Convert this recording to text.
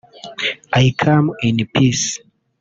I come in peace)”